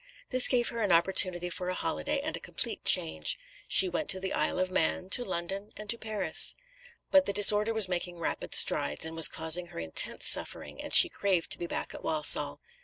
This gave her an opportunity for a holiday and a complete change. She went to the Isle of Man, to London, and to Paris. But the disorder was making rapid strides, and was causing her intense suffering, and she craved to be back at Walsall.